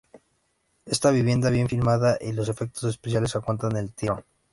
Está viva, bien filmada y los efectos especiales aguantan el tirón.